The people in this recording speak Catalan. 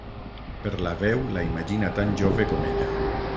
Per la veu, la imagina tan jove com ella.